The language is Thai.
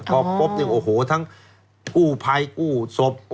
ก็ปุ๊บทั้งกู้ไพกู้ศพ